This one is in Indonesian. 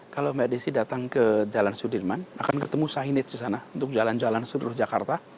kalau mbak desi datang ke jalan sudirman akan ketemu sainids di sana untuk jalan jalan seluruh jakarta